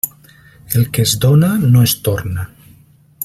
El que es dóna no es torna.